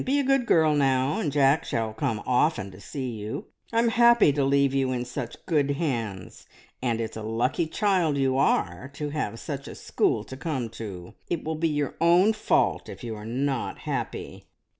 Be a good girl, now, and Jack shall come often to see you! I'm happy to leave you in such good hands, and it's a lucky child you are to have such a school to come to! It will be your own fault if you are not happy."